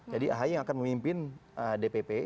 jadi ahy yang akan memimpin dpp